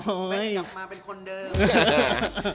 ไม่ได้กลับมาเป็นคนเดิม